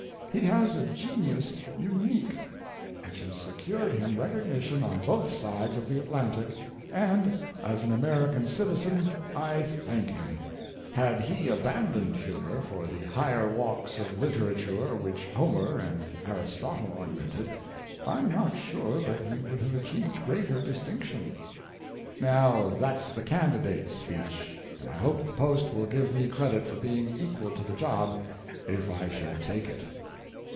He has a genius unique which has secured him recognition on both sides of the Atlantic, and as an American citizen I thank him. Had he abandoned humor for the higher walks of literature which Homer and Aristotle ornamented, I'm not sure but he would have achieved greater distinction. Now, that's the candidate's speech, and I hope The Post will give me credit for being equal to the job if I should take it."